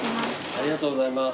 ありがとうございます。